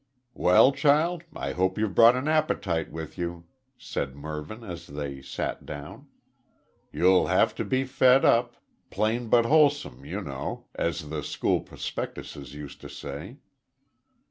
"Well, child, I hope you've brought an appetite with you," said Mervyn, as they sat down. "You'll have to be fed up. `Plain but wholesome,' you know, as the school prospectuses used to say."